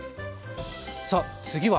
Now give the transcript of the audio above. さあ次は。